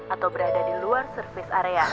atau berada di luar service area